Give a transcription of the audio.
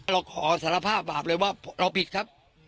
เราขอสารภาพบาปเลยว่าเราผิดครับ